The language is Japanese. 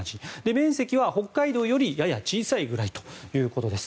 面積は北海道よりやや小さいくらいということです。